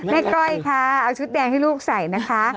ก้อยค่ะเอาชุดแดงให้ลูกใส่นะคะ